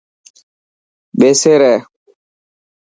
ٻيسي ري.